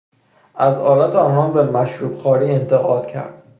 از عادت آنان به مشروبخواری انتقاد کرد.